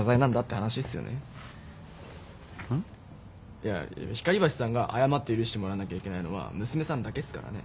いや光橋さんが謝って許してもらわなきゃいけないのは娘さんだけっすからね。